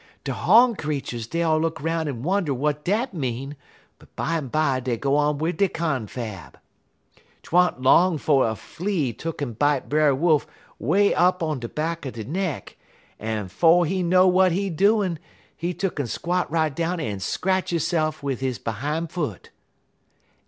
_' "De hawn creeturs dey all look 'roun' en wonder w'at dat mean, but bimeby dey go on wid dey confab. 'T wa'n't long 'fo' a flea tuck'n bite Brer Wolf 'way up on de back er de neck, en 'fo' he know what he doin', he tuck'n squat right down en scratch hisse'f wid his behime foot."